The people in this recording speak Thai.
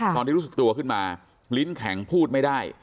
รู้สึกตัวขึ้นมาลิ้นแข็งพูดไม่ได้